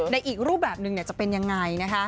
ในอีกรูปแบบนึงจะเป็นยังไงนะคะ